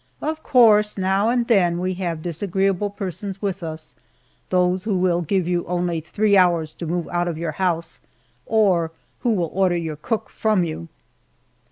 Of course, now and then we have disagreeable persons with us those who will give you only three hours to move out of your house, or one who will order your cook from you.